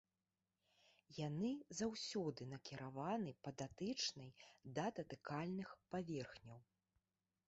Яны заўсёды накіраваны па датычнай да датыкальных паверхняў.